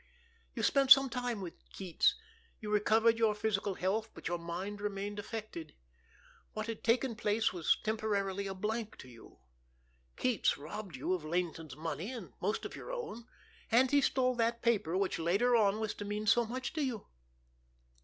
You spent some time with Keats. You recovered your physical health, but your mind remained affected. What had taken place was temporarily a blank to you. Keats robbed you of Laynton's money and most of your own, and he stole that paper which later on was to mean so much to you.